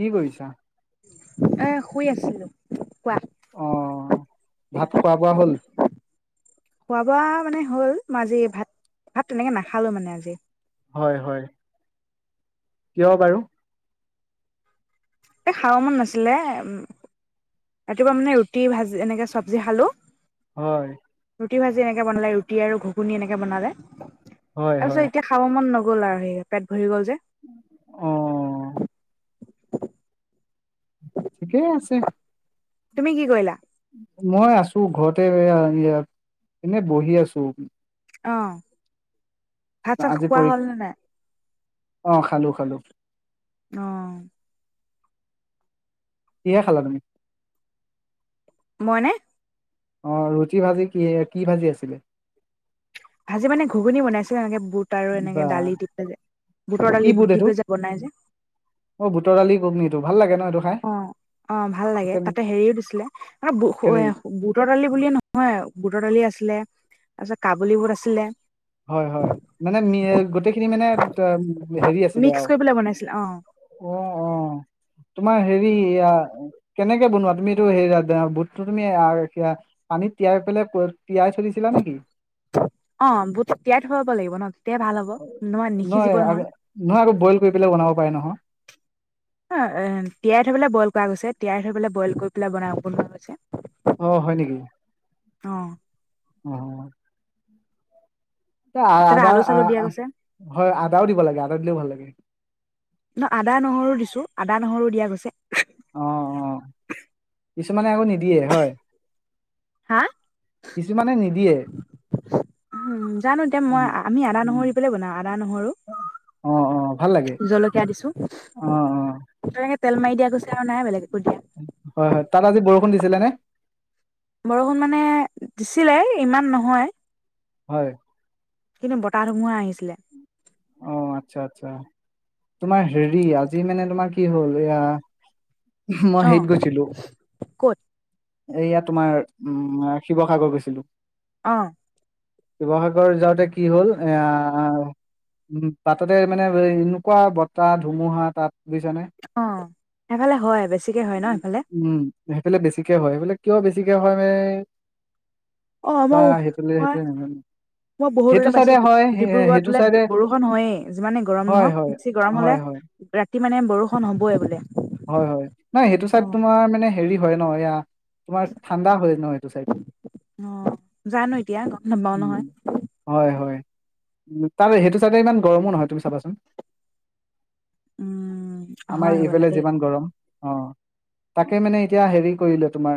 কি কৰিছা এ শুই আছিলোঁ কোৱা অ ভাত খোৱা বোৱা হ'ল খোৱা-বোৱা মানে হ'ল। মই আজি ভাত', - ভাত', 'তেনেকে নাখালো মানে আজি। হয়', - হয়', কিয় বাৰু? এ', খাব মন নাছিলে উম্ ৰাতিপুৱা মানে ৰুটি-ভাজি এনেকে চব্জি খালো, হয়', ৰুটি-ভাজি এনেকৈ বনালে ৰুটি আৰু ঘুগুনি এনেকৈ বনালে। তাৰ হয় পিছত, হয় এতিয়া খাব মন নগ, গ'ল আৰু সেই পেট ভৰি গ'ল যে, অহ', ঠিকেই আছে। তুমি কি কৰিলা? মই আছো ঘৰতে এইয়া, এনে বহি আছো। আহ', ভাত-চাত আজি খোৱা পৰী হল নে', নাই? অ', খালোঁ', -খালোঁ। অ', কিহেৰে খালা তুমি? মইনে? অ', ৰুটি-ভাজি কি-কি ভাজি আছিলে? ভাজি মানে ঘুগুনি বনাইছিলো এনেকে, বুট আৰু বা এনেকে দালি দি পেলে, বুটৰ কি দালি বুট দি এইটো? পেলে যে বনাই যে অ বুটৰ দালি ঘুগনিটো ভাল লাগে নত, অ', - অ', ভাল লাগে ।তাতে হেৰিও দিছিলে কাৰী। আৰু বুটৰ দালি বুলিয়ে নহয় আৰু বুটৰ দালি আছিলে, তাৰপিছত কাবুলীবোট আছিলে। হয়', -হয়', মানে গোটেইখিনি মানে হেৰি আছিলে মিক্স আৰু কৰি পেলাই বনাইছিলে অ অ', - অ', তোমাৰ হেৰি এইয়া কেনেকে বনোৱা? তুমি এইটো হে', বুটটো তুমি পানীত তিয়াই পেলাই টিয়াই থৈছিলা নেকি অ [unintelligible] তেতিয়াই ভাল হ'ব নিসিজিব নহয় আৰু নহয় আৰু বইল কৰি পেলাই বনাব পাৰে নহয়। অ', তিয়াই থৈপেলে বইল কৰা গৈছে তিয়াই থৈপেলে বইল কৰি পেলাই বনুৱা গৈছে। অ', হয়', নেকি? অহ', অহ', এ', তাতে আলু আদাৰ চালু দিয়া গৈছে হয়', আদাও দিব লাগে, আদা দিলেও ভাল লাগে। ন', আদা-নহৰু দিছো, আদা নহৰু দিয়া গৈছে। অ', - অ', কিছুমানে আকৌ নিদিয়ে হয়। হা', কিছুমানে নিদিয়ে। উম', জানো এতিয়া মই', উম আমি উম আদা-নহৰু দি পেলাই বনাও। আদা-নহৰু অ অ ভাল লাগে জলকীয়া দিছো, অ অ তেনেকে তেল মাৰি দিয়া গৈছে আৰু নাই দিব হয় হয় তাত আজি বৰষুণ দিছিলে নে বৰষুণ মানে দিছিলে ইমান নহয় হয় কিন্তু বতাহ ধুমুহা আহিছিলে অঁ আচ্ছা আচ্ছা তোমাৰ হেৰি আজি মানে তোমাৰ কি হ'ল এয়া মই অ হেত গৈছিলো ক'ত এয়া তোমাৰ উম শিৱসাগৰ গৈছিলো অঁ শিৱসাগৰ যাওঁতে কি হ'ল আঁ উম বাটতে মানে এনেকুৱা বতাহ ধুমুহা তাত বুজিছানে অঁ সেইফালে হয় বেছিকে হয় ন সেইফালে উম সেইফালে বেছিকে হয় সেইফালে কিয় বেছিকে হয় মানে অঁ বা মই ম সেইফালে সেইটোৱে নাজানো মই বহুত সেইটো দূৰে পাইছো চাইডে হয় ডিব্ৰুগড়ত সেইটো বোলে চাইডে বৰষুণ হয়য়েই যিমানেই গৰম হয় নহওক হয় বেছি গৰম হয় হলে হয় ৰাতি তি মানে বৰষুণ হ'বই বোলে হয় হয় নাই সেইটো অ চাইড তোমাৰ মানে হেৰি হয় নহয় এয়া তোমাৰ ঠাণ্ডা হয় ন এইটো চাইড অ জানো এতিয়া গম নাপাও নহয় হয় হয় উম তাৰে সেইটো চাইডে ইমান গৰমো নহয় তুমি চাবাচোন উম আমাৰ হয় হ'বলা এইফালে দেই যিমান গৰম অঁ তাকে মানে এতিয়া হেৰি কৰিলো তোমাৰ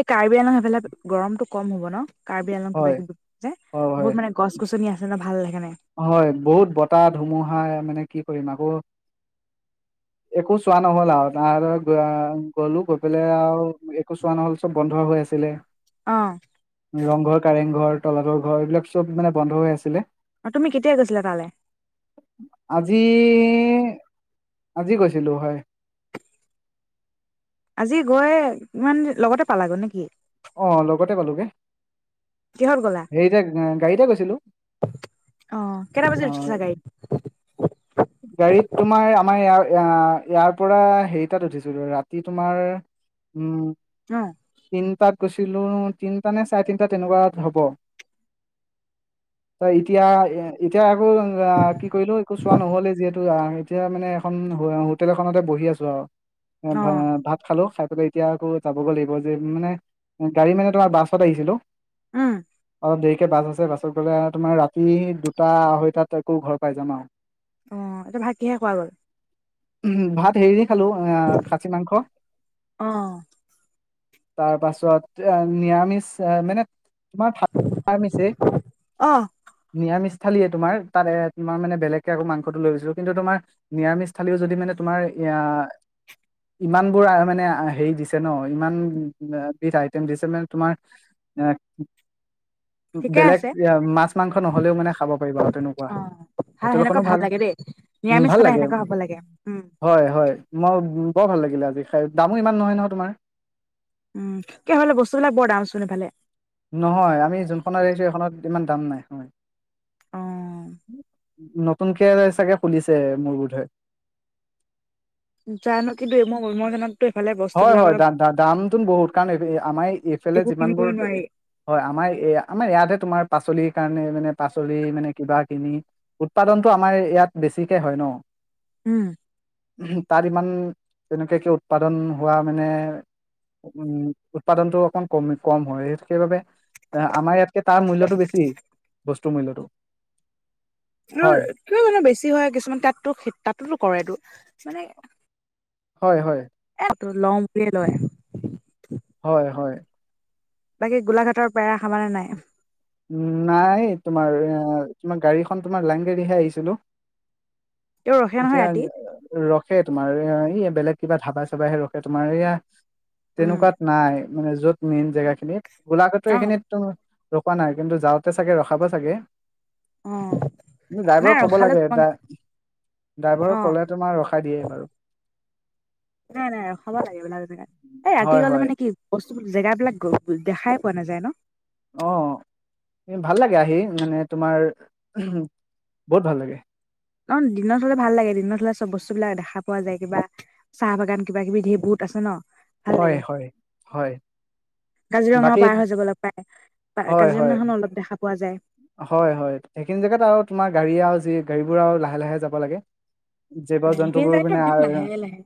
এই কাৰ্বি আলং সেইফালে গৰমতটো কম হ'ব ন কাৰ্বি আলং কিবা হয়, কিবি যে হয়, হয়, বহুত মানে গছ গছনি আছে ন ভাল লাগে হয় বহুত বতাহ ধুমুহা মানে কি কৰিম আকৌ একো চোৱা নহল আৰু ত গলো গৈ পেলাই আৰু একো চোৱা নহল চব বন্ধ হৈ আছিলে অ ৰংঘৰ কাৰেংঘৰ তলাতল ঘৰ এইবিলাক চব মানে বন্ধ হৈ আছিলে আৰু তুমি কেতিয়া গৈছিলা তালৈ আজি আজি গৈছিলো হয় আজি গৈ কিমান লগতে পালাগে নেকি অ', লগতে পালোগে কিহত গলা হেৰিতে গাড়ীতে গৈছিলো অঁ কেইটা বজাত অ', উঠিছিলা গাড়ী গাড়ীত তোমাৰ আমাৰ ইয়াৰ পৰা হেৰি তাত উঠিছো ৰাতি তোমাৰ উম অ তিনিটাত গৈছিলো তিনটা নে চাৰে তিনটা তেনেকুৱাত হব এতিয়া এতিয়া আকৌ কি কৰিলো একো চোৱা নহলে যিহেতু আহ এতিয়া মানে এখন হোটেল এখনতে বহি আছো আৰু অ ভ ভাত খালো খাই এতিয়া আকৌ যাব গৈ লাগিব যে মানে গাড়ী মানে তোমাৰ বাছত আহিছিলো উম অ দেৰিকে বাছ আছে বাছত গ'লে তোমাৰ ৰাতি দুটা আঢ়ৈটাত আকৌ ঘৰ পাই যাম আৰু অ এটি ভাত কিহে খোৱা গ'ল হেৰিৰ খালো খাচী মাংস অ তাৰ পাছত নিৰামিষ আহ মানে তোমাৰ ভাত মিছে অ নিৰামিষ থালিয়ে তোমাৰ তাত এ তোমাৰ মানে বেলেগ আকৌ মাংসটো লৈ গৈছিলো কিন্তু তোমাৰ নিৰামিষ থালিও যদি মানে তোমাৰ এ ইমান বোৰ মানে হেৰি দিছে ন ইমান বিধ আইটেম দিছে মানে তোমাৰ এ ঠিকে বেলেগ আছে মাছ মাংস নহ'লেও মানে খাব পাৰিবা আৰু তেনেকুৱা অ সেনেকুৱা হোটেলখনো ভাল লাগে দেই নিৰামিষ ভাল সদায় লাগে সেনেকুৱা হ'ব লাগে উম হয় হয় মই বৰ ভাল লাগিলে আজি খাই দামো ইমান নহয় নহয় তোমাৰ উম কি হলে বস্তুবিলাক বৰ দাম চোন এইফালে নহয় আমি যোনখনত আহিছো সেইখনত ইমান দাম নাই হয় অ নতুনকে চাগে খুলিছে মোৰ বোধয় জানো কিন্তু মই সোমোৱাখনত হয় হয় দ দামটোন বহুত কাৰণ আমাৰ এইফালে একো যিমানবোৰ কিনিবই নোৱাৰি হয় আমাৰ আমাৰ ইয়াতে তোমাৰ পাচলি কাৰণে মানে পাচলি মানে কিবা কিনি উৎপাদনতটো আমাৰ ইয়াত বেছিকে হয় ন উম তাৰ ইমান তেনেকে উৎপাদন হোৱা মানে উম উৎপাদনতটো অকণ কমি কম হয় সেইবাবে আমাৰ ইয়াতকে তাৰ মূল্যটো বেছি বস্তু মিলতো ত ত মানে বেছি হয় কিছুমান তাতো তাতোতো কৰেটো মানে হয় হয় এ লওঁ বুলিয়ে লয় হয় হয় বাকী গোলাঘাটৰ পেৰা খালানে নাই? উম নাই তোমাৰ তোমাৰ গাড়ীখন তোমাৰ লাইন গাড়ীহে আহিছিলো। তেওঁ ৰখে নহয় এতিয়া ৰাতি ৰখে তোমাৰ এ এই বেলেগ কিবা ধাবা চাবাই হে ৰখে তোমাৰ এয়া উম তেনেকুৱাত নাই মানে য'ত মেইন জেগাখিনি গোলাঘাটটো অ এইখিন তো পোৱা নাই কিন্তু যাওঁতে চাগে ৰখাব চাগে অ নাই ড্ৰাইভাৰক ক'ব ৰখালে লাগে ড তোমাক ড্ৰাইভাৰক অ ক'লে তোমাৰ ৰখাই দিয়ে বাৰু নাই নাই ৰখাব লাগে বিলাক এ জেগাত এই হয় ৰাতি গ'লে হয় মানে কি বস্তু জেগাবিলাক দেখাই পোৱা নাযায় ন অ ভাল লাগে আহি মানে তোমাৰ বহুত ভাল লাগে ন দিনত হলে ভাল লাগে দিনত হলে চব বস্তু বিলাক দেখা পোৱা যায় কিবা চাহ বাগান কিবা কিবি ধেৰ বহুত আছে ন ভাল হয় লাগে হয় হয় কাজিৰঙাও বাকী পাৰ হৈ যাব লগ পায় হয় হয় কাজিৰঙাখনো অলপ দেখা পোৱা যায় হয় হয় সেইখিনি জেগাত আৰু তোমাৰ গাড়ী আৰু যি গাড়ীবোৰ আৰু লাহে লাহে যাব লাগে জীৱ সেই জন্তুবোৰ জেগাটো মানে অ একদম লাহে লাহে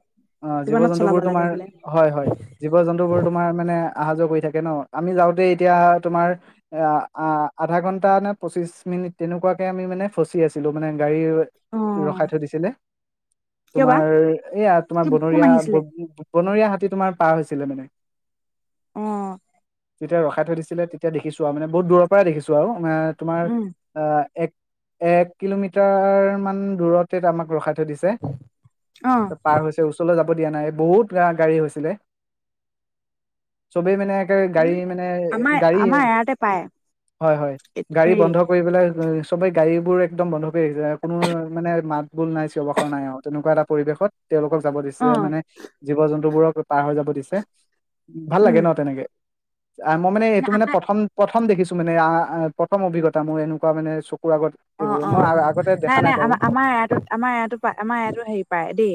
জীৱ কিমানত চলাব জন্তুবোৰ লাগে তোমাৰ বোলে হয় হয় জীৱ জন্তুবোৰ তোমাৰ মানে অহা যোৱা কৰি থাকে ন আমি যাওঁতে এতিয়া তোমাৰ অ আধা ঘণ্টা এ নে পঁচিশ মিনিট তেনেকুৱাকে আমি মানে ফচি আছিলো মানে গাড়ী অ ৰখাই থৈ দিছিলে কিয় বা তোমাৰ এয়া তোমাৰ কোন বনৰীয়া আহিছিলে বনৰীয়া হাতী তোমাৰ পাৰ হৈছিলে মানে উম যেতিযা ৰখাই থৈ দিছিলে তেতিয়া দেখিছো আৰু মান বহু দৰ পৰাই দেখিছো আৰু তোমাৰ উম অ এক এক কিলোমিটাৰ মান দূৰতে আমাক ৰখাই থ থই দিচে অ পাৰ হৈছে আহিব দিয়া নাই বহুত গাড়ী আহিছিলে চবেই মানে গাড়ী মানে আমাৰ গাড়ী আমাৰ এৰাতে পায় হয় হয় গাড়ী হেৰি বন্ধ কৰিব পেলাই চবেই গাড়ীবোৰ একদম বন্ধ কৰি আহিছে কোনো মানে মাত বোল নাই চিয়বাখৰ নাই আৰু তেনেকুৱা এটা পৰিৱেশত তেওঁলোকক যাব দিছে অ মানে জীৱ জন্তুবোৰক পাৰ হৈ যাব দিছে ভাল উম লাগে ন তেনেকে মই মানে এইটো আমাৰ মানে প্ৰথম প্ৰথম প্ৰথম দেখিছো মানে অ প্ৰথম অভিজ্ঞতা মোৰ এনেকোৱা মানে আগত অ এইবোৰ অ মই আ অ আগতে নাই দেখা নাই বাৰু আমাৰ আমাৰ ইয়াতো আমাৰ ইয়াতো আমাৰ ইয়াতো হেৰি পায় দেই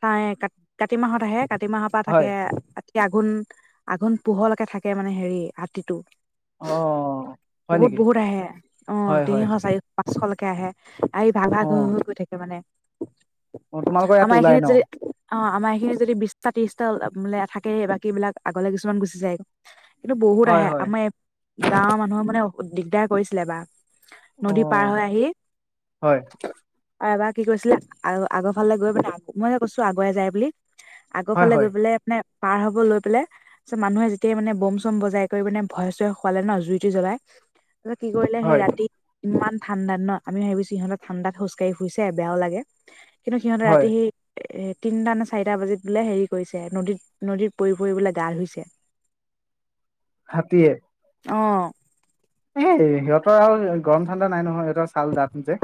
খ কা কাতি মাহত আহে কাতি মাহৰ পৰা থাকে হয় আঘোন আঘোণ পোহৰকে থাকে মানে হেৰি হাতীটো অঁ হয় বহুত নেকি বহুত আহে অ হয় হয় তিনিশ চাৰিশ পাঁচশলৈকে আহে আহি ভাগ ভাগ হৈ গৈ থাকে মানে অ তোমালোকৰ আমাৰ ইয়াত ওলাই এইখিনিত ন যদি অ আমাৰ এইখিনি যদি বিশটা ত্ৰিশটা মানে থাকে বাকী বিলাক আগলে কিছুমান গুচি যায় কিন্তু বহুত হয় আহে হয় আমাৰ গাঁৱৰ মানুহক মানে দিগদাৰ কৰিছিলে বা নদী পাৰ হৈ অঁ আহি হয় আৰু এবাৰ কি কৰিছিলে আৰু আগৰ ফালে গৈ পেলাই মই যে কৈছো আগুৱাই যাই বুলি আগৰ হয় ফালে হয় গৈ পেলাই এপিনে পাৰ হব লৈ পেলাই চ মানুহে যেতিয়াই মানে বম চম বজাই কৰি মানে ভয় চয় খোৱালে মানে ন জুই টুই জ্বলাই ত কি কৰিলে সেই হয় ৰাতি ইমান ঠাণ্ডাত ন আমি ভাবিছো ইহঁ ঠাণ্ডাত খোজকাঢ়িই বেয়াও লাগে কিন্তু সিহঁতে হয় ৰাতি সি এ তিনিটা নে চাৰিটা বাজিত বোলে হেৰি কৰিছে নদীত নদীত পৰি পৰি বোলে গা ধুইছে হাতীয়়ে অ এ সিহঁতৰ আৰু গৰম ঠাণ্ডা নাই নহয় সিহঁতৰ ছাল ডাঠ যে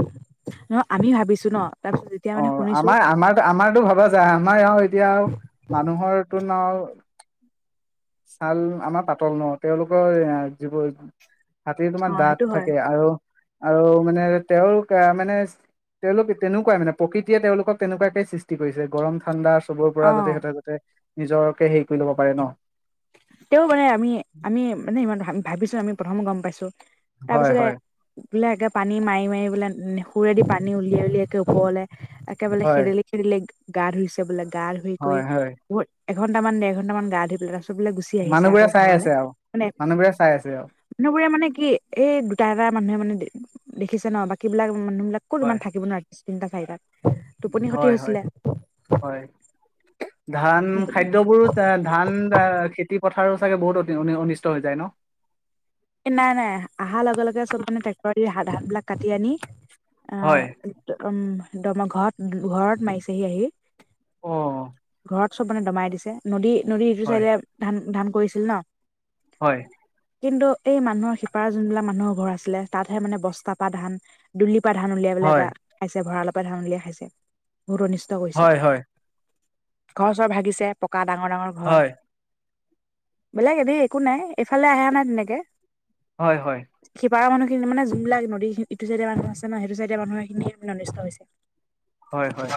ন আমি ভাবিছো ন তাৰপিছত যেতিয়া অ মানে শুনিছো আমাৰ আমাৰ আমাৰতো ভবা যায় আমাৰ আৰু এতিয়া মানুহৰটো ন ছাল আমাৰ পাতল ন তেওঁলোকৰ যিবোৰ হাতীৰ তোমাৰ অ দাঁত সেইটো হয় থাকে আৰু আৰু মানে তেওঁলোক মানে তেওঁলোক তেনেকুৱাই মানে প্ৰকৃতিয়ে তেওঁলোকক তেনেকুৱাকে সৃষ্টি কৰিছে গৰম ঠাণ্ডা চবৰে অ পৰা যতে সিহতে যাতে নিজৰকে হেৰি কৰি ল'ব পাৰে ন তেও মানে আমি আমি মানে ইমান ভাবিছো আমি প্ৰথম গম পাইছোঁ তাৰ হয় পিছতে হয় বোলে পানী মাৰি মাৰি বোলে সোৰেদি পানী উলিয়াই উলিয়াই ওপৰলে একেবাৰে হয় খেদিলি খেদিলি গা ধুইছে বোলে গা ধুই কৈ হয় হয় এঘণ্টা মান দেৰঘণ্টা মান গা ধু পাই তাৰপিছত বোলে গুচি আহিছে মানুহবোৰে আকৌ চাই ঘৰলে আছে আও মানে মানুহবোৰে চাই আছে আও মানুহবোৰে মানে কি এই দুটা এটা মানুহে মানে দেখিছে ন বাকী বিলাক মানুহবিলাক ক'ত হয় ইমান থাকিব না চিন্তা চাই তাত হয় হয় হয় ধান খাদ্য বোৰো ধান খেতি পথাৰু চাগে বহুত অনিষ্ট হৈ যায় ন নাই নাই অহাৰ লগে লগে চব মানে ট্ৰেক্টৰ দি সাধাৰবলাক কাটি আনি অ হয় উম একদমাৰ ঘৰত ঘৰত মাৰিছেহি আহি অ ঘৰত চব মানে দমাই দিছে নদী নদী ইটো হয় চাইদে ধান ধান কৰিছিল ন হয় কিন্তু এই মানুহৰ শিপাৰ যোনবিলাক মানুহৰ ঘৰ আছিলে তাতহে মানে বস্তা পা ধান দুলি পা ধান উলিয়াই পেলাই হয় বা খাইছে ভৰালপা ধান উলিয়াই খাইছে বহুত অনিষ্ট কৰিছে হয় হয় ঘৰ চৰ ভাগিছে প পকা ডাঙৰ ডাঙৰ ঘৰ হয় বেলেগ এনে একো নাই এইফালে আহে নাই তেনেকে হয় হয় সিপাৰৰ মানুহখিনি মানে যোনবাক নদী ন ইটো চাইডে মানুহ আছে ন সেইটো চাইডে মানুহখিনি অনিষ্ট হৈছে হয় হয়